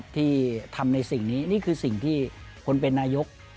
ที่ทำในสิ่งนี้นี่คือสิ่งที่คนเป็นนายก